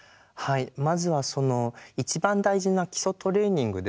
まずはその一番大事な基礎トレーニングですよね。